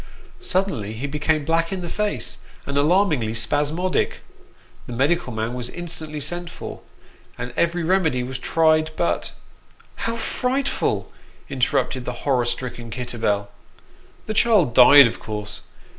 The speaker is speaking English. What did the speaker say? Suddenly he became black in the face, and alarmingly spasmodic. The medical man was instantly sent for, and every remedy was tried, but " How frightful !" interrupted the horror stricken Kitterbell. " The child died, of course.